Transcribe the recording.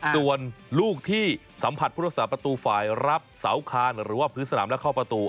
ส่วนลูกที่สัมผัสผู้รักษาประตูฝ่ายรับเสาคานหรือว่าพื้นสนามและเข้าประตู